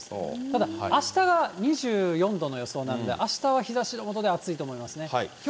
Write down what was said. ただ、あしたが２４度の予想なので、あしたは日差しの下で暑いと思いますね。